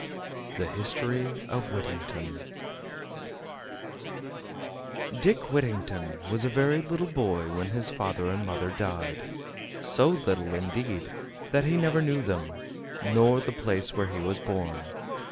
THE HISTORY OF WHITTINGTON Dick Whittington was a very little boy when his father and mother died; so little, indeed, that he never knew them, nor the place where he was born.